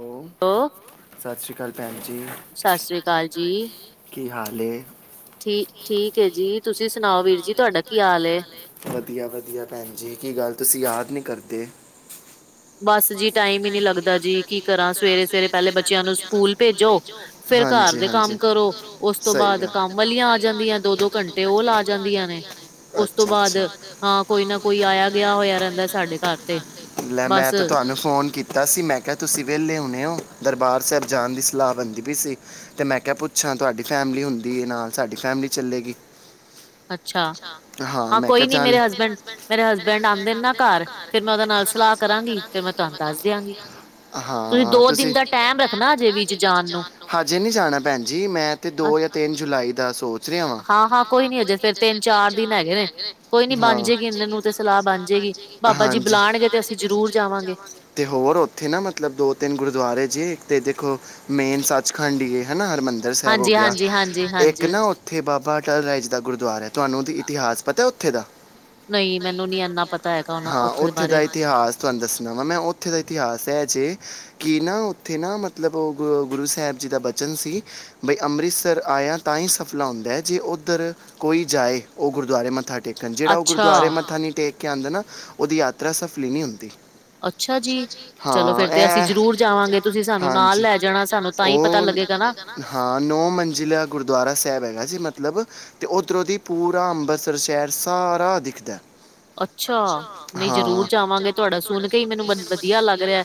ਔ ਹੈਲੋ ਸਤਿ ਸ਼੍ਰੀ ਅਕਾਲ ਭੈਣ ਜੀ, ਸਤਿ ਸ੍ਰੀ ਸਤ ਸ਼੍ਰੀ ਕਾਲ ਜੀ। ਕੀ ਹਾਲ ਐ। ਠੀ ਠੀਕ ਐ ਜੀ, ਤੁਸੀਂ ਸੁਣਾਓ ਵੀਰ ਜੀ ਤੁਹਾਡਾ ਕੀ ਹਾਲ ਏ। ਵਧੀਆ ਵਧੀਆ ਭੈਣ ਜੀ ਕੀ ਗੱਲ ਤੁਸੀਂ ਯਾਦ ਨ੍ਹੀਂ ਕਰਦੇ। ਬਸ ਜੀ ਟਾਈਮ ਈ ਨੀਂ ਲੱਗਦਾ ਜੀ ਕਿ ਕਰਾਂ ਸਵੇਰੇ-ਸਵੇਰੇ ਪਹਿਲੇ ਬੱਚਿਆਂ ਨੂੰ ਸਕੂਲ ਭੇਜੋ, ਫੇਰ ਘਰ ਦੇ ਕੰਮ ਕਰੋ ਉਸ ਤੋਂ ਬਾਅਦ ਬਾਅਦ ਕੰਮ ਵਾਲੀਆਂ ਆ ਜਾਂਦੀਆਂ ਦੋ-ਦੋ ਘੰਟੇ ਉਹ ਲਾ ਜਾਂਦੀਆਂ ਨੇਂ। ਅੱਛਾ ਅੱਛਾ ਉਸ ਤੋਂ ਬਾਅਦ ਹਾਂ ਕੋਈ ਆਇਆ ਗਿਆ ਹੋਇਆ ਰਹਿੰਦਾ ਸਾਡੇ ਘਰ ਤੇ ਲੈ ਬਸ ਤੇ ਤੁਹਾਨੂੰ ਫੋਨ ਕੀਤਾ ਸੀ ਮੈਂ ਕਿਹਾ ਵੇਹਲੇ ਹੁਣੇ ਔ ਦਰਬਾਰ ਸਾਹਿਬ ਜਾਣ ਦੀ ਸਲਾਹ ਬਣਦੀ ਪਈ ਸੀ ਤੇ ਮੈਂ ਕਿਹਾ ਪੁੱਛਾਂ ਤੁਹਾਡੀ ਫੈਮਿਲੀ ਹੁੰਦੀ ਦੀ ਨਾਲ ਸਾਡੀ ਫੈਮਿਲੀ ਚੱਲੇਗੀ। ਅੱਛਾ ਹਾਂ, ਮੈਂ ਕੋਈ ਕਿਹਾ ਨੀਂ ਚੱਲ ਮੇਰੇ ਹਸਬੈਂਡ ਮੇਰੇ ਹਸਬੈਂਡ ਆਂਦੇ ਨੇ ਨਾਂ ਘਰ ਫਿਰ ਮੈਂ ਨਾਲ ਸਲਾਹ ਕਰਾਂਗੀ ਤੇ ਮੈਂ ਤੁਹਾਨੂੰ ਦੱਸ ਦਿਆਂਗੀ। ਹਾਂ ਦੋ ਦਿਨ ਤੁਸੀਂ ਦਾ ਟਾਈਮ ਰੱਖਣਾ ਅਜੇ ਵਿੱਚ ਜਾਣ ਨੂੰ। ਹਜੇ ਨੀਂ ਜਾਣਾ ਭੈਣ ਜੀ ਮੈਂ ਤੇ ਦੋ ਤਿੰਨ ਜੁਲਾਈ ਦਾ ਸੋਚ ਰਿਹਾ ਵਾਂ ਹਾਂ ਹਾਂ, ਕੋਈ ਨੀਂ ਹਜੇ ਫੇਰ ਤਿੰਨ-ਚਾਰ ਦਿਨ ਹੈਗੇ ਨੇਂ ਕੋਈ ਨੀਂ ਤੁਹਾਡੀ ਹਾਂ ਬਣ ਜਏਗੀ ਇਹਨਾਂ ਨੂੰ ਤੇ ਸਲਾਹ ਬਣ ਜਏਗੀ। ਹਾਂਜੀ ਬਾਬਾ ਜੀ ਬੁਲਾਣਗੇ ਤਾਂ ਅਸੀਂ ਜਰੂਰ ਜਾਵਾਂਗੇ। ਤੇ ਹੋਰ ਉੱਥੇ ਮਤਲਬ ਦੋ-ਤਿੰਨ ਗੁਰਦੁਆਰੇ ਜੇ ਇੱਕ ਤੇ ਦੇਖੋ ਮੇਨ ਸੱਚਖੰਡ ਹੀ ਏ ਹਨਾਂ। ਹਰਿਮੰਦਰ ਸਾਹਿਬ ਹੋ ਗਿਆ ਇੱਕ ਹਾਂਜੀ-ਹਾਂਜੀ-ਹਾਂਜੀ-ਹਾਂਜੀ ਨਾ ਉੱਥੇ ਬਾਬਾ ਟ ਰਾਜ ਦਾ ਗੁਰਦੁਆਰਾ ਐ ਤੁਹਾਨੂੰ ਉਹ ਇਤਿਹਾਸ ਪਤਾ ਹੈ ਉੱਥੇ ਦਾ ਨਹੀਂ ਮੈਨੂੰ ਨੀ ਇੰਨਾ ਪਤਾ ਹੈਗਾ ਉਹਨਾਂ ਹਾਂ ਦੇ ਉੱਥੇ ਦਾ ਬਾਰੇ ਇਤਿਹਾਸ ਤੁਹਾਨੂੰ ਦੱਸਣਾ ਵਾ ਮੈਂ ਉੱਥੇ ਦਾ ਇਤਿਹਾਸ ਦੱਸਿਆ ਜੇ ਕਿ ਨਾ ਉੱਥੇ ਨਾਂ ਮਤਲਬ ਉਹ ਗ ਗੁਰੂ ਸਾਹਿਬ ਜੀ ਦਾ ਬਚਨ ਸੀ ਬਈ ਅੰਮ੍ਰਿਤ ਅੰਮ੍ਰਿਤਸਰ ਆਇਆ ਤਾਂ ਹੀ ਸਫਲਾ ਹੁੰਦਾ ਐ ਜੇ ਉੱਧਰ ਕੋਈ ਜਾਏ ਉਹ ਗੁਰਦੁਆਰੇ ਮੱਥਾ ਟੇਕ ਜਿਹੜਾ ਉਹ ਗੁਰਦੁਆਰੇ ਅੱਛਾ, ਮੱਥਾ ਨਹੀਂ ਟੇਕ ਕੇ ਆਉਂਦਾ ਨਾਂ ਉਹਦੀ ਯਾਤਰਾ ਸਫਲੀ ਨਹੀਂ ਹੁੰਦੀ। ਅੱਛਾ ਜੀ। ਚਲੋ ਹਾਂ ਫੇਰ ਤੇ ਅਸੀਂ ਇਹ ਜ਼ਰੂਰ ਜਾਵਾਂਗੇ ਤੁਸੀਂ ਸਾਨੂੰ ਨਾਲ ਹਾਂਜੀ। ਹਾਂਜੀ ਲੈ ਜਾਣਾ ਸਾਨੂੰ ਤਾਂ ਹੀ ਉਹ- ਪਤਾ ਲੱਗੇਗਾ ਨਾਂ। ਹਾਂ ਨੌ ਉਹ ਮੰਜ਼ਿਲਾ ਗੁਰਦੁਆਰਾ ਸਾਹਿਬ ਹੈਗਾ ਜੀ ਮਤਲਬ ਮਤਲਬ ਤੇ ਓਧਰੋਂ ਦੀ ਪੂਰਾ ਅੰਮ੍ਰਿਤਸਰ ਸ਼ਹਿਰ ਸਾਰਾ ਦਿਖਦਾ। ਅੱਛਾ। ਨਹੀਂ ਜ਼ਰੂਰ ਜਰੂਰ ਜਾਵਾਂਗੇ ਤੁਹਾਡਾ ਹੀ ਸੁਣ ਕੇ ਵਧ ਮੈਨੂੰ ਮ ਵਧੀਆ ਲੱਗ ਰਿਹਾ।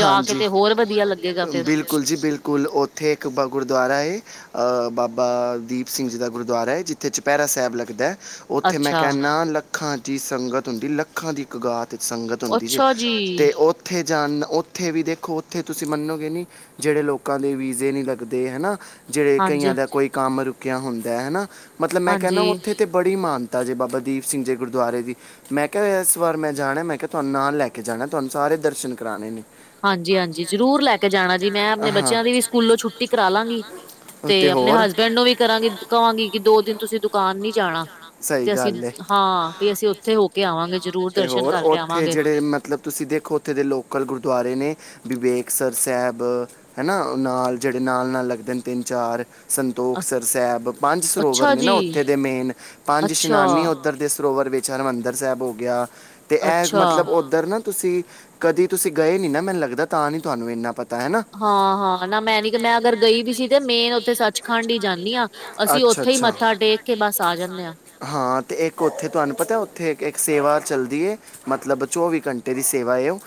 ਜਾ ਕੇ ਹਾਂਜੀ, ਤੇ ਹੋਰ ਵਧੀਆ ਲੱਗੇਗਾ ਫੇਰ ਬਿਲਕੁਲ ਜੀ ਬਿਲਕੁਲ ਓਥੇ ਇੱਕ ਗੁਰਦੁਆਰਾ ਏ ਬਾਬਾ ਦੀਪ ਸਿੰਘ ਜੀ ਦਾ ਗੁਰਦੁਆਰਾ ਐ ਜਿੱਥੇ ਚੁਪਹਿਰਾ ਸਾਹਿਬ ਲੱਗਦਾ। ਉੱਥੇ ਮੈਂ ਅੱਛਾ, ਕਹਿੰਦਾ ਲੱਖਾਂ ਦੀ ਸੰਗਤ ਹੁੰਦੀ ਲੱਖਾਂ ਦੀ ਕ ਗਾਤ ਸੰਗਤ ਹੁੰਦੀ ਜੇ ਅੱਛਾ ਜੀ! ਤੇ ਉਹ ਉੱਥੇ ਜਾਣ ਉੱਥੇ ਵੀ ਦੇਖੋ ਉੱਥੇ ਤੁਸੀਂ ਮੰਨੋਗੇ ਨੀਂ ਜਿਹੜੇ ਲੋਕਾਂ ਦੇ ਵੀਜ਼ੇ ਨਹੀਂੀ ਲੱਗਦੇ ਹਨਾਂ। ਜਿਹੜੇ ਕਈਆਂ ਦਾ ਕੋਈ ਕੰਮ ਰੁਕਿਆ ਹੁੰਦਾ ਹਨਾਂ ਮਤਲਬ ਮੈਂ ਕਹਦਾ ਹਾਂਜੀ-ਹਾਂਜੀ। ਉੱਥੇ ਤੇ ਬੜੀ ਮਾਨ ਜੇ ਬਾਬਾ ਦੀਪ ਸਿੰਘ ਜੇ ਗੁਰਦੁਆਰੇ ਦੀ ਮੈਂ ਕਿਹਾ ਇਸ ਵਾਰ ਮੈਂ ਜਾਣਾ, ਮੈਂ ਕਿਹਾ ਤੁਹਾਨੂੰ ਨਾਲ ਲੈ ਕੇ ਜਾਣਾ ਤੁਹਾਨੂੰ ਸਾਰੇ ਦਰਸ਼ਨ ਕਰਾਣੇ ਨੇਂ। ਹਾਂਜੀ ਹਾਂਜੀ। ਜ਼ਰੂਰ ਲੈ ਕੇ ਜਾਣਾ ਜੀ ਮੈਂ ਆਪਣੇ ਹਾਂ। ਬੱਚਿਆਂ ਦੀ ਵੀ ਸਕੂਲੋਂ ਛੁੱਟੀ ਕਰਾ ਲਾਂਗੀ ਤੇ ਆਪਣੇ ਹਸਬੈਂਡ ਨੂੰ ਵੀ ਕਰਾਂਗੀ ਕਹਵਾਂਗੀ ਕਿ ਦੋ ਦਿਨ ਤੁਸੀਂ ਦੁਕਾਨ ਨੀ ਜਾਣਾ ਤੇ ਅਸੀਂ ਹਾਂ ਹਾਂ ਵੀ ਅਸੀਂ ਉਥੇ ਹੋ ਕੇ ਆਵਾਂਗੇ ਜਰੂਰ ਦਰਸ਼ਨ ਕਰਕੇ ਆਵਾਂਗੇ। ਤੇ ਹੋਰ ਉੱਥੇ ਜਿਹੜੇ ਮਤਲਬ ਤੁਸੀਂ ਦੇਖੋ ਉੱਥੇ ਦੇ ਲੋਕਲ ਗੁਰਦੁਆਰੇ ਨੇਂ ਵਿਵੇਕਸ ਸਾਹਿਬ ਹਨਾਂ ਨਾਲ ਜਿਹੜੇ ਨਾਲ-ਨਾਲ ਲੱਗਦੇ ਨੇਂ। ਤਿੰਨ ਚਾਰ ਅ ਸੰਤੋਖਸ ਸਾਹਿਬ ਪੰਜ ਸਰੋਵਰ ਅੱਛਾ ਨੇਂ ਜੀ ਨਾਂ ਉੱਥੇ ਦੇ ਮੇਨ ਪੰਜ ਸਨਾਨ ਈ ਅੱਛਾ-ਅੱਛਾ। ਉੱਧਰ ਦੇ ਸਰੋਵਰ ਵਿੱਚ ਹਰਿਮੰਦਰ ਸਾਹਿਬ ਹੋ ਗਿਆ ਤੇ ਇਹ ਮਤਲਬ ਉੱਧਰ ਨਾ ਤੁਸੀਂ ਕਦੀ ਤੁਸੀਂ ਗਏ ਨਈਂ ਨਾਂ ਮੈਨੂੰ ਲੱਗਦਾ ਤਾਂ ਨਹੀਂ ਤੁਹਾਨੂੰ ਇੰਨਾਂ ਹਾਂ ਹਾਂ, ਨਾਂ ਮੈਂ ਨੀ ਮੈਂ ਅਗਰ ਗਈ ਵੀ ਸੀ ਤੇ ਮੇਨ ਉੱਥੇ ਸੱਚਖੰਡ ਹੀ ਜਾਂਣੀ ਆਂ ਅਸੀਂ ਅਸੀਂ ਉਥੇ ਮੱਥਾ ਟੇਕ ਕੇ ਬਸ ਆ ਜਾਣੇ ਆਂ। ਹਾਂ ਤੇ ਇੱਕ ਉੱਥੇ ਤੁਹਾਨੂੰ ਪਤਾ ਓਥੇ ਸੇਵਾ ਚੱਲਦੀ ਐ, ਮਤਲਬ ਚੌਵੀ ਘੰਟੇ ਦੀ ਸੇਵਾ ਐ ਉਹ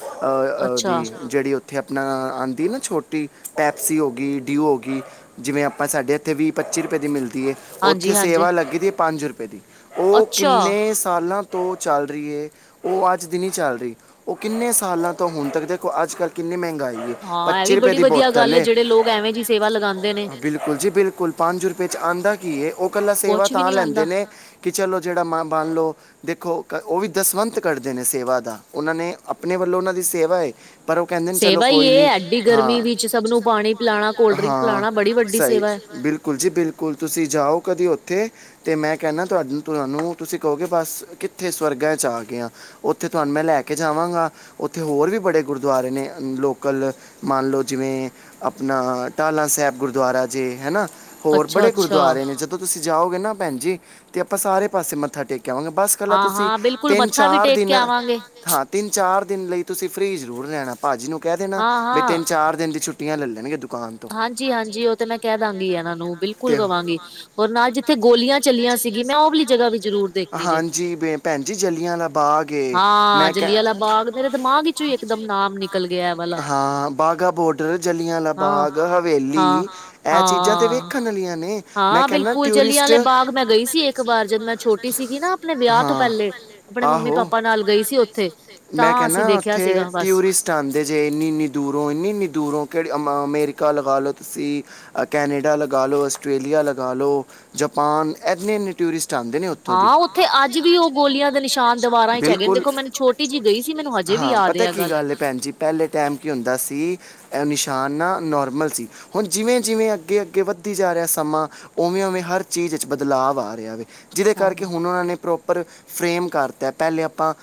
ਅੱਛਾ ਉਹਦੀ ਜਿਹੜ ਉੇ ਇੱਥੇ ਆਪਣਾ ਆਂਦੀ ਨਾ ਛੋਟੀ ਪੈਪਸੀ ਹੋ ਗਈ ਡਿਊ ਹੋ ਗਈ ਜਿਵੇਂ ਆਪਾਂ ਸਾਡੇ ਇੱਥੇ ਵੀਅ ਪਚ ਪੱਚੀ ਰੁਪਏ ਦੀ ਮਿਲਦੀ ਐ, ਉੱਥੇ ਹਾਂਜੀ-ਹਾਂਜੀ। ਸੇਵਾ ਲੱਗੀ ਦੀ ਪੰਜ ਰੁਪਏ ਦੀ ਉਹ ਅੱਛਾ ਕਿੰਨੇ ਸਾਲਾਂ ਤੋਂ ਚੱਲ ਰਹੀ ਹੈ, ਔ ਅੱਜ ਦੀ ਨੀ ਚੱਲ ਰਹੀ, ਔ ਕਿੰਨੇ ਸਾਲਾਂ ਤੋਂ ਹੁਣ ਤੱਕ, ਦੇਖੋ ਅੱਜਕੱਲ ਕਿੰਨੀ ਮਹਿੰਗਾਈ ਹਾਂ ਇਹ ਪੱਚੀ ਵੀ ਰੁਪਏ ਬੜੀ ਦੀ ਵਧੀਆ ਬੋਤਲ ਗੱਲ ਏ ਐ, ਜਿਹੜੇ ਲੋਕ ਐਵੇਂ ਜੀ ਸੇਵਾ ਲਗਾਉਂਦੇ ਨੇ ਬਿਲਕੁਲ ਜੀ ਬਿਲਕੁਲ, ਪੰਜ ਰੁਪਏ ਚ ਆਉਂਦਾ ਕੀ ਹੈ, ਔ ਕੱਲਾ ਸੇਵਾ ਕੁਛ ਵੀ ਤਾਂ ਨੀ ਆਉਂਦਾ। ਲੈਂਦੇ ਨੇ ਕਿ ਚਲੋ ਜਿਹੜਾ ਮਾਂਹ ਬਨ ਲੋ, ਦੇਖੋ ਔ ਵੀ ਦਸਵੰਤ ਕਢਦੇ ਨੇ ਸੇਵਾ ਦਾ, ਉਹਨਾਂ ਨੇ ਆਪਣੇ ਵੱਲੋਂ ਉਹਨਾਂ ਦੀ ਸੇਵਾ ਏ। ਪਰ ਉਹ ਕਹਿੰਦੇ ਨੇ ਚਲੋ ਸੇਵਾ ਹੀ ਕੋਈ ਇਹ ਨੀ, ਐਡੀ ਹਾਂ ਗਰਮੀ ਵਿੱਚ ਸਭ ਨੂੰ ਪਾਣੀ ਪਿਲਾਣਾ ਕੋਲਡ ਡਰਿੰਕ ਹਾਂ ਪਿਲਾਣਾ ਬੜੀ ਵੱਡੀ ਸਹੀ। ਸੇਵਾ ਹੈ। ਬਿਲਕੁਲ ਜੀ ਬਿਲਕੁਲ ਤੁਸੀਂ ਜਾਓ ਕਦੇ ਉੱਥੇ, ਤੇ ਮੈਂ ਕਹਿੰਦਾ ਤੁਹਾਾਨੂੰ ਤੁਹਾਨੂੰ, ਤੁਸੀਂ ਕਹੋਗੇ ਬਸ ਕਿੱਥੇ ਸਵਰਗਾਂ 'ਚ ਆ ਗਏ ਹਾਂ, ਉੱਥੇ ਤੁਹਾਨੂੰ ਮੈਂ ਲੈ ਕੇ ਜਾਵਾਂਗਾ ਉੱਥੇ ਹੋਰ ਵੀ ਬੜੇ ਗੁਰਦੁਆਰੇ ਨੇ ਲੋਕਲ ਮੰਨ ਲੋ ਜਿਵੇਂ ਆਪਣਾ ਟਲ ਹਿਲਾਂ ਸਾਹਿਬ ਗੁਰਦੁਆਰਾ ਜੇ, ਹੈਨਾ। ਹੋਰ ਅੱਛਾ ਬੜੇ ਅੱਛਾ ਗੁਰੂਦੁਆਰੇ ਨੇ, ਜਦੋਂ ਤੁਸੀਂ ਜਾਓਗੇ ਨਾ ਭੈਣ ਜੀ, ਤੇ ਆਪਾਂ ਸਾਰੇ ਪਾਸੇ ਮੱਥਾ ਟੇਕ ਕਵਾਂਗੇ ਬਸ ਕੱਲਾ ਹਾਂ ਤੁਸੀਂ ਹਾਂ ਬਿਲਕੁਲ ਤਿੰਨ ਮੱਥਾ ਵੀ ਚਾਰ ਟੇਕ ਕੇ ਦਿਨ, ਆਵਾਂਗੇ ਹਾਂ ਤਿੰਨ ਚਾਰ ਦਿਨ ਲਈ ਤੁਸੀਂ ਫ੍ਰੀ ਜ਼ਰੂਰ ਲੈਣਾ, ਭਾਜੀ ਨੂੰ ਕਹਿ ਦੇਣਾ ਹਾਂ ਬਈ ਤਿੰਨ ਹਾਂ ਚਾਰ ਦਿਨ ਦੀ ਛੁੱਟੀਆਂ ਲੈ ਲੈਣਗੇ। ਦੁਕਾਨ ਤੋਂ ਹਾਂਜੀ ਹਾਂਜੀ ਉਹ ਤੇ ਮੈਂ ਕਹਿ ਦਾਂਗੀ ਇਹਨਾਂ ਨੂੰ, ਬਿਲਕੁਲ ਤੇ- ਕਵਾਂਗੀ ਰ ਨਾਲ ਜਿੱਥੇ ਗੋਲੀਆਂ ਚੱਲੀਆਂ ਸੀਗੀ ਮੈਂ ਉਹ ਵਾਲਲੀ ਜਗ੍ਹਾ ਵੀ ਜ਼ਰੂਰ ਜਾਵਾਂਗੀ। ਦੇਖਣੀ ਜੇ, ਹਾਂਜੀ ਬੇ- ਭੈਣ ਜੀ ਜੱਲੀਆਂ ਵਾਲਾ ਬਾਗ ਏ ਹਾਂ ਮੈਂ ਕਹਿ ਜਲੀਆਂਵਾਲਾ ਬਾਗ। ਮੇਰੇ ਦਿਮਾਗ ਵਿੱਚ ਹੀ ਇੱਕਦਮ ਨਾਮ ਨਿਕਲ ਗਿਆ ਹੈ, ਏ ਵਾਲਾ, ਹਾਂ ਬਾਗਾ ਬਾਰਡਰ ਜੱਲੀਆਂ ਵਾਲਾ ਹਾਂ ਬਾਗ ਹਾਂ ਹਵੇਲੀ, ਇਹ ਚੀਜ਼ਾਂ ਤੇ ਹਾਂ ਵੇਖਣ ਵਾਲੀਆਂ ਨੇ ਮੈਂ ਹਾਂ ਕਹਿੰਦਾ ਬਿਲਕੁਲ ਟੂਰਿਸਟ ਜਲਿਆਂਲੇ ਬਾਗ ਮੈਂ ਗਈ ਸੀ ਇੱਕ ਵਾਰ, ਜਦ ਮੈਂ ਛੋਟੀ ਸੀਗੀ ਨਾ, ਆਪਣੇ ਵਿਆਹ ਤੋਂ ਹਾਂ। ਪਹਿਲੇ ਆਪਣੇ ਮੰਮੀ ਆਹੋ। ਪਾਪਾ ਨਾਲ ਗਈ ਸੀ ਉੱਥੇ। ਤਾਂ ਮੈਂ ਕਹਿਣਾ ਅਸੀਂ ਦੇਖਿਆ ਉੱਥੇ ਸੀਗਾ ਬਸ ਟੂਰਿਸਟ ਆਂਦੇ ਜੇ ਇਨੀ ਇੰਨੀ ਦੂਰੋਂ, ਇੰਨੀ ਇੰਨੀ ਦੂਰੋਂ ਕਿ ਮ ਅਮਰੀਕਾ ਲਗਾ ਲੋ ਤੁਸੀਂ, ਕੈਨੇਡਾ ਲਗਾ ਲੋ, ਆਸਟ੍ਰੇਲੀਆ ਲਗਾ ਲੋ, ਜਪਾਨ ਇੰਨੇ ਇੰਨੇ ਟੂਰਿਸਟ ਹਾਂ ਉੱਥੇ ਅੱਜ ਵੀ ਉਹ ਗੋਲੀਆਂ ਦੇ ਨਿਸ਼ਾਨ ਦੀਵਾਰਾਂ ਚ ਹੈਗੇ ਨੇ, ਬਿਲਕੁਲ। ਦੇਖੋ ਮੈਨੂੰ ਛੋਟੀ ਜਿਹੀ ਗਈ ਸੀ ਮੈਨੂੰ ਹਜੇ ਵੀ ਹਾਂ, ਯਾਦ ਹੈ ਪਤਾ ਆ ਕੀ ਗੱਲ ਹੈ ਭੈਣ ਜੀ, ਪਹਿਲੇ ਟਾਈਮ ਕੀ ਹੁੰਦਾ ਸੀ ਨਿਸ਼ਾਨ ਨਾ ਨੋਰਮਲ ਸੀ, ਹੁਣ ਜਿਵੇਂ ਜਿਵੇਂ ਅੱਗੇ ਅੱਗੇ ਵੱਧਦੀ ਜਾ ਰਿਹਾ ਸਮਾਂ, ਉਵੇਂ ਉਵੇਂ ਹਰ ਚੀਜ਼ ਵਿੱਚ ਬਦਲਾਵ ਆ ਰਿਹਾ ਵੇ। ਜਿਹਦੇ ਹਾਂ ਕਰਕੇ ਹੁਣ ਉਹਨਾਂ ਨੇ ਪ੍ਰੋਪਰ ਫਰੇਮ ਕਰ ਤਾ ਐ, ਪਹਿਲੇ ਆਪਾਂ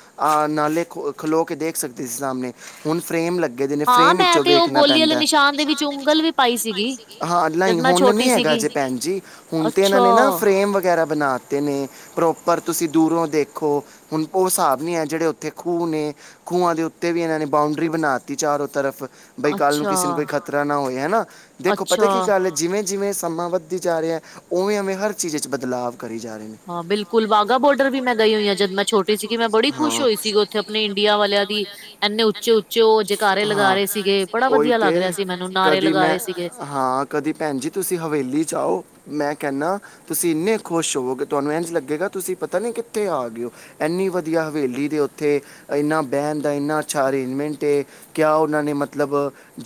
ਨਾਲੇ ਖਲੋ ਕੇ ਦੇਖ ਸਕਦੇ ਸੀ ਸਾਹਮਣੇ, ਹੁਣ ਫਰੇਮ ਲੱਗੇ ਐਦੇ ਲਈ ਹਾਂ ਫਰੇਮ ਵਿਚ ਮੈਂ ਤੇ ਉਹ ਵੇਖਣਾ ਗੋਲੀ ਵਾਲੇ ਪੈਦਾ ਐ, ਗੋਲੀਆਂ ਦੇ ਵਿੱਚ ਨਿਸ਼ਾਨ ਦੇ ਵਿਚ ਉਂਗਲ ਪਾਈ ਵੀ ਪਈ ਸੀਗੀ। ਹਾਂ ਨਹੀਂ ਜਦ ਮੈਂ ਹੁਣ ਨਹੀ ਛੋਟੀ ਹੈਗਾ ਸੀਗੀ ਜੇ ਭੈਣ ਜੀ, ਹੁਣ ਤੇ ਇਹਨਾਂ ਅੱਛਾ ਨੇ ਨਾ ਫਰੇਮ ਵਗੈਰਾ ਬਣਾਤੇ ਨੇ। ਪ੍ਰੋਪਰ ਤੁਸੀਂ ਦੂਰੋਂ ਦੇਖੋ, ਹੁਣ ਉਹ ਹਿਸਾਬ ਨਹੀਂ ਹੈ ਜਿਹੜੇ ਉੱ ਉੱਥੇ ਖੂਹ ਨੇ, ਖੂਹਾਂ ਦੇ ਉੱਤੇ ਵੀ ਇਹਨਾਂ ਨੇ ਬਾਊਂਡਰੀ ਬਣਾ ਦਿੱਤੀ ਚਾਰੋਂ ਤਰਫ। ਬਈ ਕੱਲ ਨੂੰ ਅੱਛਾ ਕਿਸੇ ਨੂੰ ਕੋਈ ਖ਼ਤਰਾ ਨਾ ਹੋਏ ਹੈਨਾ, ਦੇਖੋ ਪਤਾ ਅੱਛਾ ਕੀ ਕੱਲ ਜਿਵੇਂ ਜਿਵੇਂ ਸਮਾਂ ਵੱਧਦੀ ਜਾ ਰਿਹਾ ਹੈ, ਉਵੇਂ ਉਵੇਂ ਹਰ ਚੀਜ਼ ਵਿੱਚ ਬਦਲਾਵ ਕਰੀ ਜਾ ਰਹੇ ਨੇ ਹਾਂ ਬਿਲਕੁਲ ਵਾਗਾ ਬੋਰਡਰ ਵੀ ਮੈਂ ਗਈ ਹੋਈ ਆਂ, ਜਦ ਮੈਂ ਛੋਟੀ ਸੀਗੀ, ਮੈਂ ਬੜੀ ਖੁਸ਼ ਹੋਈ। ਸੀ ਉੱਥੇ ਆਪਣੇ ਇੰਡੀਆ ਵਾਲਿਆਂ ਦੀ ਇੰਨੇ ਉੱਚੇ ਉੱਚੇ ਔ ਜਕਾਰੇ ਹਾਂ, ਲਗਾ ਰਹੇ ਸੀਗੇ, ਬੜਾ ਉਹੀ ਵਧੀਆ ਤੇ ਲੱਗ ਰਿਹਾ ਸੀ। ਮੈਨੂੰ ਨਾਅਰੇ ਕਦੀ ਲਗਾ ਮੈਂ, ਰਹੇ ਸੀਗੇ ਹਾਂ ਕਦੀ ਭੈਣ ਜੀ ਤੁਸੀਂ ਹਵੇਲੀ ਜਾਔ, ਮੈਂ ਕਹਿੰਨਾ, ਤੁਸੀਂ ਇੰਨੇ ਖੁਸ਼ ਹੋਵੋਗੇ ਤੁਹਾਨੂੰ ਇੰਝ ਲੱਗੇਗਾ ਤੁਸੀਂ ਪਤਾ ਨੀ ਕਿੱਥੇ ਆ ਗਏ ਹੋ, ਇੰਨੀ ਵਧੀਆ ਹਵੇਲੀ ਦੇ ਔਥੇ ਇੰਨਾ ਬਹਿਣ ਦਾ ਇੰਨਾ ਅੱਛਾ ਅਰੇਂਜਮੈਂਟ ਏ। ਕਿਆ ਉਹਨਾਂ ਨੇ ਮਤਲਬ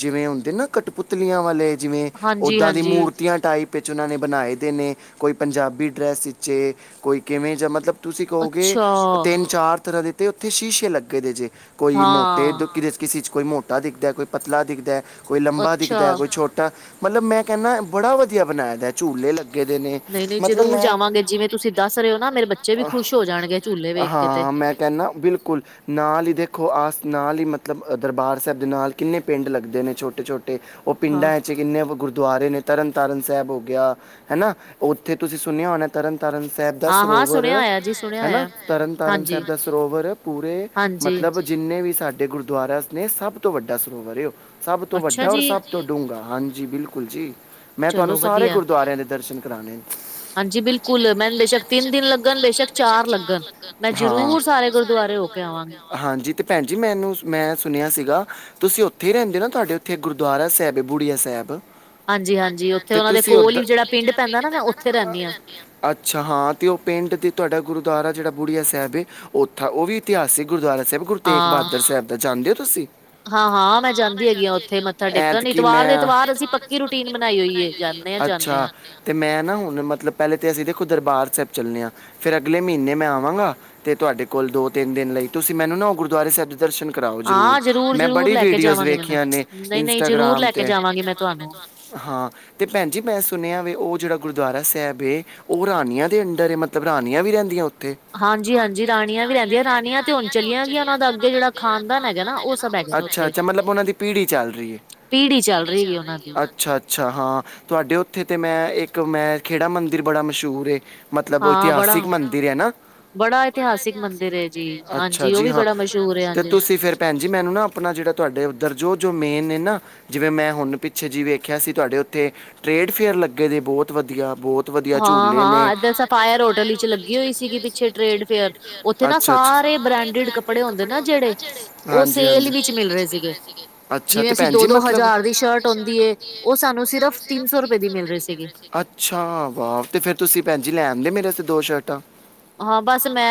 ਜਿਵੇਂ ਹੁੰਦੇ ਨਾ ਕਟਪੁਤਲੀਆਂ ਵਾਲੇ ਜਿਵੇਂ ਹਾਂਜੀ ਔਦਾਂ ਦੀ ਹਾਂਜੀ ਮੂਰਤੀਆਂ ਟਾਈਪ ਵਿੱਚ ਉਹਨਾਂ ਨੇ ਬਣਾਏ ਦੇ ਨੇ ਕੋਈ ਪੰਜਾਬੀ ਡਰੈਸ ਵਿੱਚ ਏ, ਕੋਈ ਕਿਵੇਂ ਜਾਂ ਮਤਲਬ ਤੁਸੀਂ ਕਹੋਗੇ ਅੱਛਾ ਤਿੰਨ ਚਾਰ ਤਰ੍ਹਾਂ ਦੇ ਤੇ ਉੱਥੇ ਸ਼ੀਸ਼ੇ ਲੱਗੇ ਦੇ ਜੇ, ਕੋਈ ਮੋਟੇ ਹਾਂ ਕਿਸੇ ਚ ਕੋਈ ਮੋਟਾ ਦਿਖਦਾ ਕੋਈ ਪਤਲਾ ਦਿਖਦਾ, ਕੋਈ ਲੰਬਾ ਅੱਛਾ ਦਿਖਦਾ, ਕੋਈ ਛੋਟਾ ਮਤਲਬ ਮੈਂ ਕਹਿਿੰਦਾ ਬੜਾ ਵਧੀਆ ਬਣਾਏ ਦਾ, ਝੂਲੇ ਲੱਗੇ ਦੇ ਨੇ, ਨਹੀਂ ਨਹੀਂ ਮਤਲਬ ਜ਼ਰੂਰ ਮੈਂ ਜਾਵਾਂਗੇ ਜਾਵਾਗੇ, ਜਿਵੇਂ ਤੁਸੀਂ ਦੱਸ ਰਹੇ ਹੋ ਨਾ ਮੇਰੇ ਵੀ ਬੱਚੇ ਖੁਸ਼ ਹੋ ਜਾਣਗੇ ਝੂਲੇ ਵੇਖ ਖੁਸ਼ ਕੇ ਤੇ ਹਾਂਆਂ, ਮੈਂ ਕਹਿੰਨ ਨਾ ਬਿਲਕੁਲ। ਨਾਲ ਹੀ ਦੇਖੋ ਆਸ ਨਾਲ ਹੀ ਮਤਲਬ ਦਰਬਾਰ ਸਾਹਿਬ ਦੇ ਨਾਲ ਕਿੰਨੇ ਪਿੰਡ ਲੱਗਦੇ ਨੇ। ਛੋਟੇ-ਛੋਟੇ ਉਹ ਹਾਂ ਪਿੰਡਾਂ ਚ ਕਿੰਨੇ ਕੁ ਗੁਰਦੁਆਰੇ ਨੇ ਤਰਨ ਤਾਰਨ ਸਾਹਿਬ ਹੋ ਗਿਆ, ਹੇਨਾ। ਉੱਥੇ ਤੁਸੀਂ ਸੁਣਿਆ ਹੋਣਾ ਤਰਨ ਤਰਨ ਸਾਹਿਬ ਦਾ ਹਾਂ ਹਾਂ ਸਰੋਵਰ ਸੁਣਿਆ ਹੋਇਆ ਜੀ ਸੁਣਿਆ ਹਨਾ ਹੋਇਆ ਤਰਨ ਤਾਰਨ ਹਾਂਜੀ ਸਾਹਿਬ ਦਾ ਸਰੋਵਰ ਪੂਰੇ, ਹਾਂਜੀ ਮਤਲਬ ਜਿੰਨੇ ਵੀ ਸਾਡੇ ਗੁਰਦੁਆਰਾ ਨੇ ਸਭ ਤੋਂ ਵੱਡਾ ਸਰੋਵਰ ਏ ਔ, ਸਭ ਤੋਂ ਅੱਛਾ ਵੱਡਾ ਔਰ ਜੀ ਸਭ ਤੋਂ ਢੂੰਗਾ। ਹਾਂਜੀ, ਬਿਲਕੁਲ ਜੀ ਮੈਂ ਤੁਹਾਨੂੰ ਚਲੋ ਸਾਰੇ ਵਧੀਆ ਗੁਰਦੁਆਰਿਆਂ ਦੇ ਦਰਸ਼ਨ ਹਾਂਜੀ ਬਿਲਕੁਲ, ਮੈ ਬੇਸ਼ੱਕ ਤਿੰਨ ਦਿਨ ਲੱਗਣ ਬੇਸ਼ੱਕ ਚਾਰ ਲੱਗਣ ਹਾ ਦੁਰ ਸਾਰੇ ਗੁਰਦਵਾਰੇ ਹੋ ਕੇ ਆਵਾਂਗੇ, ਹਾਂਜੀ। ਭੈਣ ਜੀ ਮੈਨੂੰ, ਮੈਂ ਸੁਣਿਆ ਸੀਗਾ ਤੁਸੀਂ ਉੱਥੇ ਹੀ ਰਹਿੰਦੇ ਹੋ ਨਾ, ਤੁਹਾਡੇ ਉੱਥੇ ਗੁਰਦੁਆਰਾ ਸਾਹਿਬ ਏ ਬੂੜੀਆ ਸਾਹਿਬ? ਹਾੰਜੀ-ਹਾੰਜੀ, ਤੇ ਤੁਸੀਂ ਔਧਰ, ਉਹ ਦੇ ਕੋਲ ਹੀ ਜਿਹੜਾ ਪਿੰਡ ਪੈਂਦਾ ਨਾ ਮੈਂ ਉੱਥੇ ਰਹਿਨੀ ਹਾਂ, ਅੱਛਾ ਹ ਉਹ ਪਿੰਡ ਦੇ ਤੁਹਾਡਾ ਗੁਰਦੁਆਰਾ ਜਿਹੜਾ ਬੁੜੀਆ ਸਾਹਿਬ ਹੈ ਉੱਥਾ ਉਹ ਵੀ ਇਤਿਹਾਸਿਕ ਗੁਰਦੁਆਰਾ ਸਾਹਿਬ ਗੁਰੂ ਤੇਗ ਹਾਂ। ਬਹਾਦਰ ਸਾਹਿਬ ਦਾ ਜਾਂਦੇ ਹੋ ਤੁਸੀਂ? ਹਾਂ-ਹਾਂ, ਮੈਂ ਹਾਂ ਜਾਂਦੀ ਹੈਗੀ ਉੱਥੇ ਆਂ ਮੱਥਾ ਉਥੇ, ਟੇਕਣ ਇਤਕੀ ਇਤਵਾਰ ਮੈਂ, ਹਾਂ ਮੈਂ ਐਤਵਾਰ ਦੇ ਇਤਵਾਰ ਐਤਵਾਰ ਅਸੀਂ ਪੱਕੀ ਰੂਟੀਨ ਹੈ ਬਣਾਈ ਹੋਈ ਜਾਂਦੇ ਹਾਂ ਏ। ਜਾਂਦੇ ਅੱਛਾ, ਹਾਂ। ਤੇ ਮੈਂ ਨਾ ਹੁਣ ਮਤਲਬ ਪਹਿਲੇ ਤੇ ਅਸੀਂ ਦੇਖੋ ਦਰਬਾਰ ਸਾਹਿਬ ਚੱਲਨੇ ਹਾਂ। ਫੇਰ ਅਗਲੇ ਮਹੀਨੇ ਮੈਂ ਆਵਾਂਗਾ ਤੇ ਤੁਹਾਡੇ ਕੋਲ ਦੋ-ਤਿੰਨ ਦਿਨ ਲਈ, ਤੁਸੀਂ ਮੈਨੂੰ ਨਾ ਗੁਰਦੁਆਰੇ ਸਾਹਿਬ ਦੇ ਦਰਸ਼ਨ ਕਰਾਓ ਜਰੂਰ, ਹਾਂ ਮੈਂ ਜ਼ਰੂਰ-ਜ਼ਰੂਰ ਬੜੀ ਲੈ ਕੇ ਵੀਡੀਓਜ਼ ਜਾਵਾਂਗੇ ਮੈਨੂੰ ਵੇਖੀਆਂ ਨੇ ਨਹੀਂ-ਨਹੀਂ ਜ਼ਰੂਰ ਇੰਸਟਾਗ੍ਰਾਮ ਲੈ ਕੇ ਤੇ। ਜਾਵਾਂਗੀ ਮੈਂ ਤੁਹਾਨੂੰ। ਹਾਂ ਤੇ ਭੈਣ ਜੀ ਮੈਂ ਸੁਣਿਆ ਵੇ ਉਹ ਜਿਹੜਾ ਗੁਰਦੁਆਰਾ ਸੀ ਹੈ ਬੇ, ਉਹ ਰਾਣੀਆਂ ਦੇ ਅੰਡਰ ਏ? ਮਤਲਬ ਰਾਣੀਆਂ ਵੀ ਰਹਿੰਦੀਆਂ ਉੱਥੇ। ਹਾਂਜੀ-ਹਾਂਜੀ। ਜੇ ਰਾਣੀਆਂ ਵੀ ਰਹਿੰਦੀਆਂ, ਰਾਣੀਆਂ ਤੇ ਹੁਣ ਚਲੀਆਂ ਗਿਯਾਂ। ਓਨਾਂਦਾ ਅੱਗੇ ਜਿਹਾ ਖਾਨਦਾਨ ਹੈਗਾ ਨਾ। ਅਛਾ- ਅੱਛਾ ਮਤਲਥ ੳਨਾਂ ਦਾ ਪਿ ਪਿੜੀ ਚਲ ਰਹੀ ਏ। ਪੀੜ੍ਹੀ ਚੱਲ ਪੀੜੀ ਹੈਗੀ ਚਲ ਰਹੀ ਉਹਨਾਂ ਏ। ਦੀ ਅੱਛਾ-ਅੱਛਾ ਹਾਂ, ਤੁਹਾਡੇ ਉੱਥੇ ਤੇ ਮੈਂ ਇੱਕ ਇੱਕ ਮੈਂ ਖੇਹੜਾ ਮੰਦਿਰ ਬੜਾ ਮਸ਼ਹੂਰ ਏ ਮਤਲਬ ਹਾਂ ਬੜਾ ਇਤਿਹਾਸਿਕ ਮੰਦਿਰ ਹੈ ਨਾ। ਬੜਾ ਇਤਿਹਾਸਿਕ ਮੰਦਿਰ ਹੇ ਜੀ। ਹਾਂਜੀ ਓ ਵੀ ਬੜਾ ਮਸ਼ਹੂਰ ਹੈ। ਅੱਛਾ, ਅੱਛਾ ਜੀ ਹਾਂ। ਤੇ ਤੁਸੀਂ ਫੇਰ ਭੈਣ ਜੀ ਮੈਨੂੰ ਨਾ ਆਪਣਾ ਜਿਹੜਾ ਤੁਹਾਡੇ ਉਧਰ ਜੋ ਜੋ ਮੇਨ ਨੇ ਨਾ ਜਿਵੇਂ ਮੈਂ ਹੁਣ ਪਿੱਛੇ ਜਿ ਵੇਖਿਆ ਸੀ, ਤੁਹਾਡੇ ਉੱਥੇ ਟ੍ਰੇਡ ਫੇਅਰ ਲੱਗੇ ਦੇ ਬਹੁਤ ਵਧ ਦੀਆ ਬਹੁਤ ਵਧੀਆ ਝੂਲੇ ਹਾਂ ਨੇ ਹਾਂ-ਹਾਂ, ਇਦਰ ਸਫਾਇਰ ਹੋਟਲ ਇਚ ਲੱਗੀ ਹੋਈ ਸੀਗੀ। ਪਿੱਛੇ ਟ੍ਰੇਡ ਫੇਅਰ ਉੱਥੇ ਨਾ ਸਾਰੇ ਬ੍ਰਾਂਡਿਡ ਕੱਪੜੇ ਹੁੰਦੇ ਨਾ ਜਿਹੜੇ, ਉਹ ਹਾਂਜੀ ਸੇਲ ਹਾਂਜੀ ਵਿੱਚ ਮਿਲ ਰਹੇ ਸੀਗੇ। ਅੱਛਾ ਜਿਵੇਂ ਤੇ ਅਸੀਂ ਭੈਣ ਜੀ ਜਿਹੜੀ ਦੋ-ਦੋ ਮਤਲਬ ਹਜ਼ਾਰ ਦੀ ਸ਼ਰਟ ਆਉਂਦੀ ਏ, ਉਹ ਸਾਨੂੰ ਸਿਰਫ਼ ਤਿੰਨ ਸੌ ਰੁਪਏ ਦੀ ਮਿਲ ਰਹੀ ਸੀਗੀ। ਅੱਛਾ। ਫੇਰ ਤੁਸੀਂ ਭੈਣ ਜੀ ਲੈ ਆਂਦੇ ਮੇਰੇ ਵਾਸਤੇ ਦੋ ਸ਼ਰਟਾਂ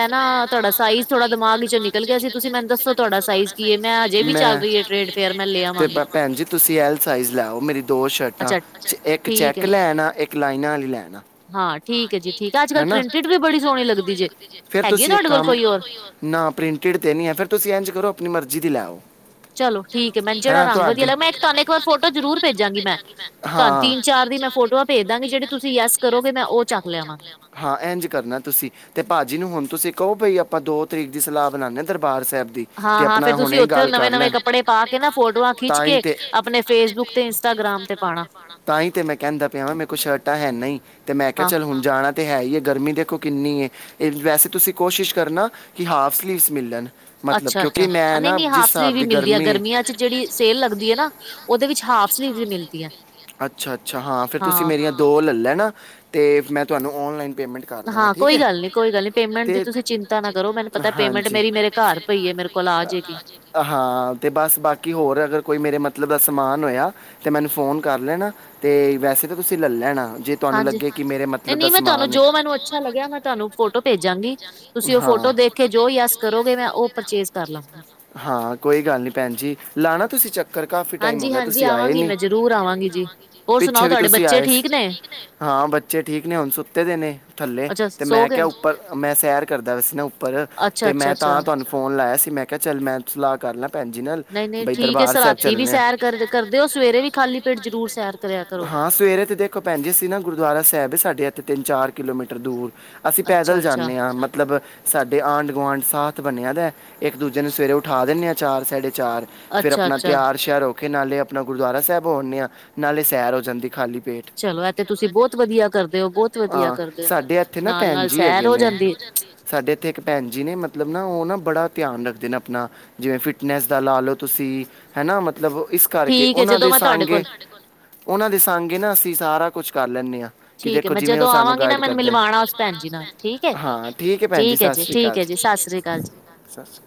ਨਾਂ, ਤੁਹਾਡਾ ਸਾਈਜ਼ ਥੋੜਾ ਦਿਮਾਗ ਈਚੋਂ ਨਿਕਲ ਗਿਆ ਸੀ। ਤੁਸੀਂ ਮੈਨੂੰ ਦੱਸੋ ਤੁਹਾਡਾ ਸਾਈਜ਼ ਕੀ ਹੈ? ਮੈਂ ਹਜੇ ਵੀ ਚੱਲ ਰਹੀ ਹੈ ਟ੍ਰੇਡ ਫੇਅਰ ਮੈਂ ਲੈ ਤੇ ਆਵਾਂਗੀ ਭੈਣ ਜੀ ਤੁਸੀਂ ਐਲ ਸਾਈਜ਼ ਲੈ ਆਔ ਮੇਰੀ ਦੋ ਸ਼ਰਟਾਂ, ਅੱਛਾ ਇੱਕ ਠੀਕ ਚੈੱਕ ਹੈ ਲੈ ਆਣਾ ਇੱਕ ਲਾਈਨਾਂ ਆਲੀ ਲੈ ਏਣਾ। ਹਾਂ ਠੀਕ ਹੈ, ਜੀ ਠੀਕ ਹੈ। ਤੇ ਅੱਜ-ਕੱਲ ਪ੍ਰਿੰਟਿਡ ਵੀ ਬੜੀ ਸੋਹਣੀ ਲੱਗਦੀ ਜੇ। ਫੇਰ ਤੁਸੀਂ ਇੱਕ ਕੰਮ, ਹੌਰੀ ਤੁਹਾਡੇ ਕੋਲ ਕੋਇ ਹੋਰ? ਨਾ ਪ੍ਰਿੰਟਿਡ ਤੇ ਨਹੀਂ ਹੈ। ਫਿਰ ਤੁਸੀਂ ਇੰਂਝ ਕਰੋ ਆਪਣੀ ਮਰਜ਼ੀ ਦੀ ਲੈ ਆਔ। ਚਲੋ, ਠੀਕ ਹੈ। ਮੈਨੂੰ ਜਿਹੜਾ ਰੰਗ ਵਧੀਆ ਲੱਗ, ਮੈਂ ਤੁਹਾਨੂੰ ਇੱਕ ਵਾਰ ਫੋਟੋ ਜਰੂਰ ਭੇਜਾਂਗੀ ਮੈਂ। ਤੁਹਾਨ ਹਾਂ ਤਿੰਨ-ਚਾਰ ਆਪ ਦੀ ਮੈਂ ਫੋਟੋਆਂ ਭੇਜ ਦਾਂਗੀ। ਜਿਹੜੀ ਤੁਸੀਂ ਯੱਸ ਕਰੋਗੇ ਮੈਂ ਉਹ ਚੱਕ ਲਿਆਵਾਂਗੀ। ਹਾਂ, ਇੰਝ ਕਰਨਾ ਤੁਸੀਂ। ਤੇ ਭਾਜੀ ਨੂੰ ਹੁਣ ਤੁਸੀਂ ਕਹੋ ਭਈ ਆਪਾਂ ਦੋ ਤਰੀਕ ਦੀ ਸਲਾਹ ਬਣਾਉਾਨਦੇ ਆਂ ਦਰ ਹਾਂ-ਹਾਂ, ਫੇਰ ਤੁਸੀਂ ਉੱਥੇ ਨਵੇਂ-ਨਵੇਂ ਕੱਪੜੇ ਪਾ ਕੇ ਨਾ, ਫੋਟੋਆਂ ਖਿੱਚ ਕੇ ਆਪਣੇ ਫੇਸਬੁੱਕ ਤੇ ਇੰਸਟਾਗ੍ਰਾਮ ਤੇ ਪਾਣਾ। ਤਾਂ ਹੀ ਤੇ ਮੈਂ ਕਹਿੰਦਾ ਪਿਆ ਵਾਂ ਮੇਰੇ ਕੋ ਸ਼ਰਟਾਂ ਹੈ ਨਹੀਂ। ਤੇ ਮੈਂ ਕਿਹਾ ਹਾਂ ਚੱਲ ਹੁਣ ਜਾਣਾ ਹੈ ਹੀ ਹੈ ਗਰਮੀ ਦੇਖੋ ਕਿੰਨੀ ਹੈ ਇਹ। ਵੈਸੇ ਤੁਸੀਂ ਕੋਸ਼ਿਸ਼ ਕਰਨਾ ਕਿ ਹਾਫ ਸਲੀਵਸ ਮਿਲਣ ਮਤਲਬ ਅੱਛਾ-ਅੱਛਾ, ਕਿਉਂਕਿ ਮੈਂ ਨਾ ਨਹੀਂ-ਨਹੀਂ ਜਿਸ ਹਾਫ ਸਲੀਵਸ ਹਿਸਾਬ ਵੀ ਦੀ ਸਲੀਵ ਮਿਲਦੀ ਆ। ਗਰਮੀ ਹੈ ਗਰਮੀਆਂ ਚ ਜਿਹੜੀ ਸੇਲ ਲੱਗਦੀ ਹੈ ਨਾ ਉਹਦੇ ਵਿੱਚ ਹ ਹਾਫ ਸਲੀਵਜ਼ ਵੀ ਮਿਲਦੀਆਂ। ਅੱਛਾ-ਅੱਛਾ ਹਾਂ, ਫੇਰ ਤੁਸੀਂ ਮੇਰੀਆਂ ਦੋ ਲੈ ਲੈ ਤੇ ਮੈਂ ਤੁਹਾਨੂੰ ਓਨਲਾਈਨ ਪੇਮੈਂਟ ਕਰ ਦਾਂਗਾ। ਹਾਂ ਠੀਕ ਕੋਈ ਹੈ? ਗੱਲ ਨੀ ਕੋਈ ਗੱਲ ਨੀ ਪੇਮੈਂਟ ਤੇ- ਦੀ ਤੇ ਤੁਸੀਂ ਚਿੰਤਾ ਨਾ ਕਰੋ। ਮੈਨੂੰ ਪਤਾ ਪੇਮੈਂਟ ਮੇਰੀ ਮੇਰੇ ਘਰ ਪਈਏ, ਮੇਰੇ ਕੋਲ ਆ ਜਾਏਗੀ। ਹਾਂ, ਤੇ ਬਸ ਬਾਕੀ ਹੋਰ ਅਗਰ ਕੋਈ ਮੇਰੇ ਮਤਲਬ ਦਾ ਸਮਾਨ ਹੋਇਆ ਤੇ ਮੈਨੂੰ ਫੋਨ ਕਰ ਲੈਣਾ ਤੇ ਵੈਸੇ ਤਾਂ ਤੁਸੀਂ ਲੈ ਲੈਣਾ। ਜੇ ਤੁਹਾਨੂੰ ਹਾਂਜੀ, ਲੱਗੇ ਕਿ ਮੇਰੇ ਮਤਲਬ ਦਾ ਨਹੀਂ ਨਹੀਂ-ਨਹੀਂ। ਮੈਂ ਨਹੀਂ ਸਮਾਨ ਤੁਹਾਨੂੰ ਹੈ ਜੋ ਮੈਨੂੰ ਅੱਛਾ ਲੱਗਿਆ ਮੈਂ ਤੁਹਾਨੂੰ ਫੋਟੋ ਭੇਜਾਂਗੀ। ਤੁਸੀਂ ਉਹ ਫੋਟੋ ਦੇਖ ਕੇ ਜੋ ਹੀ ਅਸ ਕਰੋਗੇ ਮੈਂ ਉਹ ਪਰਚੇਜ਼ ਕਰ ਲਾਂਗੀ। ਹਾਂ ਹਾਂ ਕੋਈ ਗੱਲ ਨਹੀਂ ਭੈਨ ਜੀ ਲਾਉਣਾ ਤੁਸੀਂ ਚੱਕ ਕਰ ਕਾਫੀ ਟਾਈਮ ਹੋ ਹਾਂਜੀ ਗਿਆ ਹਾਂਜੀ ਤੁਸੀਂ ਆਏ ਆਵਾਂਗੀ ਨੀ ਮੈਂ ਜ਼ਰੂਰ ਆਵਾਂਗੀ ਜੀ ਹੋਰ ਪਿੱਛੇ ਸੁਣਾਓ ਵੀ ਤੁਹਾਡੇ ਤੁਸੀਂ ਬੱਚੇ ਆਏ ਠੀਕ ਸੀ। ਨੇ ਹਾਂ, ਬੱਚੇ ਠੀਕ ਨੇ। ਹੁਣ ਸੁੱਤੇ ਦੇ ਨੇ ਥੱਲੇ ਅੱਛਾ ਤੇ ਸੋ ਮੈਂ ਕ ਗਏ ਨੇ? ਉੱਪਰ, ਮੈਂ ਸੈਰ ਕਰਦਾ ਵ ਨਾ ਸੀ ਉੱਪਰ ਅੱਛਾ ਤੇ ਅੱਛਾ ਮੈਂ ਤਾਂ ਅੱਛਾ ਤੁਹਾਨੂੰ ਫੋਨ ਲਾਇਆ ਸੀ। ਮੈਂ ਕਿਆ ਚੱਲ ਮੈਂ ਸਲਾਹ ਕਰ ਲਾਂ। ਭੈਨ ਜੀ ਨਾਲ ਨਹੀਂ ਨਹੀਂ ਬਈ ਠੀਕ ਹੈ ਦਰਬਾਰ ਸਾਹਿਬ ਰਾਤੀ ਵੀ ਚੱਲਨੇ ਆ ਸੈਰ ਕਰ ਕਰਦੇ ਹੋ ਸਵੇਰੇ ਵੀ ਖਾਲੀ ਪੇਟ ਜ਼ਰੂਰ ਸੈਰ ਕਰਿਆ ਕਰੋ ਹਾਂ ਸਵੇਰੇ ਤੇ ਦੇਖੋ ਭੈਨ ਜੀ ਅਸੀਂ ਨਾ ਗੁਰਦੁਆਰਾ ਸਾਹਿਬ ਏ ਸਾਡੇ ਇੱਥੇ ਤਿੰਨ ਚਾਰ ਕਿਲੋਮੀਟਰ ਦੂਰ ਅਸੀਂ ਪੈਦਲ ਅੱਛਾ ਅੱਛਾ ਜਾਂਨੇ ਆ ਮਤਲਬ ਸਾਡੇ ਆਂਢ ਗੁਆਂਢ ਸਾਥ ਬਨਿਆ ਦਾ ਇੱਕ ਦੂਜੇ ਨਾਲ ਸਵੇਰੇ ਉਠਾ ਦਿੰਨੇ ਆ ਚਾਰ ਸਾਡੇ ਚਾਰ ਫਿਰ ਅੱਛਾ ਆਪਣਾ ਅੱਛਾ ਤਿਆਰ ਸ਼ਿਆਰ ਖੇ ਨਾਲੇ ਆਪਨਾ ਗੁਰਦੁਆਰਾ ਸਾਹਿਬ ਹੋ ਆਨੇ ਆ ਨਾਲੇ ਸੈਰ ਹੋ ਜਾਂਦੀ ਖਾਲੀ। ਚਲੋ ਇਹ ਤੇ ਤੁਸੀਂ ਬਹੁਤ ਵਧੀਆ ਕਰਦੇ ਹੋ ਬਹੁਤ ਵਧੀਆ ਕਰਦੇ ਹੋ ਸਾਡੇ ਇੱਥੇ ਨਾ ਨਾਲ ਭੈਨ ਨਾਲ ਜੀ ਸੈਰ ਹੈਗੇ ਹੋ ਨੇ ਜਾਂਦੀ ਹੈ। ਸਾਡੇ ਇੱਥੇ ਇੱਕ ਭੈਨ ਜੀ ਨੇ ਮਤਲਬ ਨਾ ਉਹ ਨਾ ਬੜਾ। ਧਿਆਨ ਰੱਖਦੇ ਨੇ ਅਪਨਾ ਜਿਵੇਂ ਫਿਟਨੈਸ ਦਾ ਲਾ ਲਓ ਤੁਸੀਂ ਹੈ ਨਾ ਮਤ ਮਤਲਬ ਇਸ ਕਰਕੇ ਠੀਕ ਹੈ ਉਹਨਾਂ ਜਦੋਂ ਦੇ ਮੈਂ ਤੁਹਾਡੇ ਸਾਂਗੇ ਕੋਲ ਉਹਨਾਂ ਦੇ ਸਾਂਗੇ ਨਾ ਅਸੀਂ ਸਾਰਾ ਕੁਛ ਕਰ ਲੈਂਨੇ ਆ। ਕਿ ਠੀਕ ਏ ਦੇਖੋ ਮੈਂ ਜਿਵੇਂ ਉਹ ਜਦੋਂ ਠੀਕ ਹੈ। ਸਾਨੂੰ ਆਵਾਂਗੀ ਨਾ ਗਾਈਡ ਮੈਨੂੰ ਕਰਦੇ ਨੇ ਮਿਲਵਾਣਾ ਉਸ ਭੈਣ ਜੀ ਨਾਲ ਠੀਕ ਏ ਹਾਂ ਹੈ ਹੈ ਭੈਣ ਠੀਕ ਏ ਸਤਿ ਜੀ ਸ਼੍ਰੀ ਹੈ ਠੀਕ ਅਕਾਲ ਏ ਜੀ ਸਤਿ ਸ੍ਰੀ ਕਾਲ ਜੀ। [inaudible] ਸਤਿ ਸ਼੍ਰੀ ਅਕਾਲ